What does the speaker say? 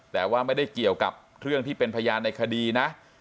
แต่ว่าไม่ได้เกี่ยวกับเรื่องที่เป็นพยานในคดีนะ